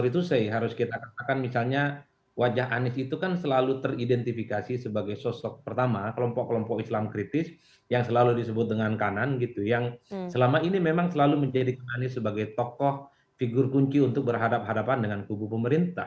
itu say harus kita katakan misalnya wajah anies itu kan selalu teridentifikasi sebagai sosok pertama kelompok kelompok islam kritis yang selalu disebut dengan kanan gitu yang selama ini memang selalu menjadikan anies sebagai tokoh figur kunci untuk berhadapan hadapan dengan kubu pemerintah